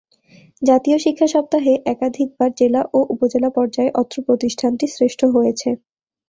জাতীয় শিক্ষা সপ্তাহ-এ একাধিকবার জেলা ও উপজেলা পর্যায়ে অত্র প্রতিষ্ঠানটি শ্রেষ্ঠ হয়েছে।